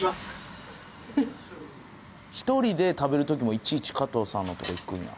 一人で食べる時もいちいち加藤さんのとこ行くんや。